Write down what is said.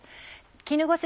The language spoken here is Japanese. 絹ごし